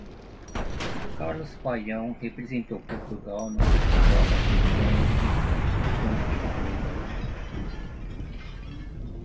Carlos Paião representou Portugal no Festival da Canção Eurovisão com o tema "Playback".